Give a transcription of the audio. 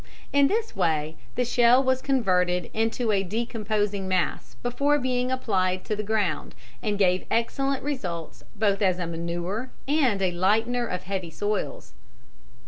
In this way the shell was converted into a decomposing mass before being applied to the ground, and gave excellent results both as a manure and as a lightener of heavy soils.